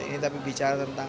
ini tapi bicara tentang